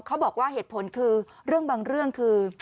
เขาบอกว่าเหตุผลคือเรื่องบางเรื่องคือ